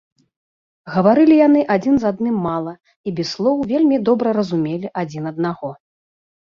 Гаварылі яны адзін з адным мала і без слоў вельмі добра разумелі адзін аднаго.